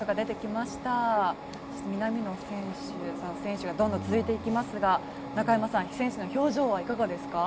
そして、南野選手などどんどん選手が続いていきますが中山さん選手の表情はいかがですか？